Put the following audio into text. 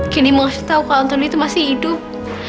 kenny mau kasih tau kalau anthony itu masih hidup